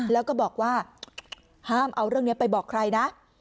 แล้วก็บอกว่าห้ามเอาเรื่องนี้ไปบอกใครนะ